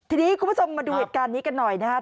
ทีนี้คุณผู้ชมมาดูเหตุการณ์นี้กันหน่อยนะครับ